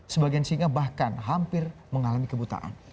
sebagian singa bahkan hampir mengalami kebutaan